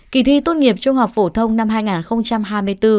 kỳ thi tốt nghiệp trung học phổ thông năm hai nghìn hai mươi bốn